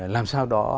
làm sao đó